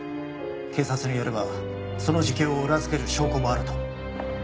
警察によればその自供を裏付ける証拠もあると。